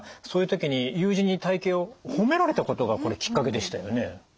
そういう時に友人に体型を褒められたことがこれきっかけでしたよね。